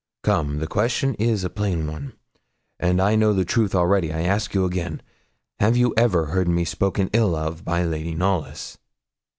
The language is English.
Come, the question is a plain one, and I know the truth already. I ask you again have you ever heard me spoken ill of by Lady Knollys?'